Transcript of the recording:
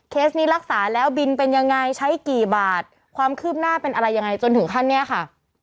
นี้รักษาแล้วบินเป็นยังไงใช้กี่บาทความคืบหน้าเป็นอะไรยังไงจนถึงขั้นเนี่ยค่ะ